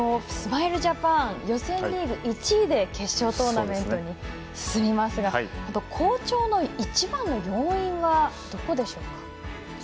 スマイルジャパン予選リーグ１位で決勝トーナメントに進みますが、好調の一番の要因はどこでしょうか？